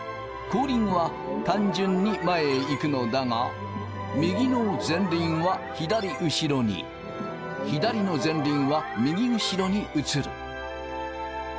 後輪は単純に前へ行くのだが右の前輪は左後ろに左の前輪は右後ろに移る。